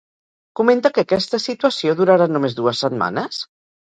Comenta que aquesta situació durarà només dues setmanes?